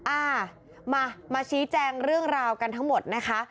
อ่ามามาชี้แจงเรื่องราวกันทั้งหมดนะคะ